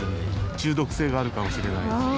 中毒性があるかもしれないですね。